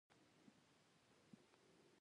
یوه افسر وویل: که زور وهي ډز پرې وکړئ.